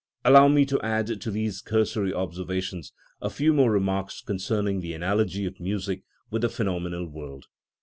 Allow me to add to these cursory observations a few more remarks concerning the analogy of music with the phenomenal world.